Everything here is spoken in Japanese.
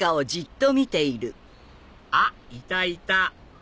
あっいたいた！